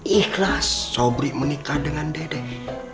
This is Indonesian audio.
ikhlas sobri menikah dengan dede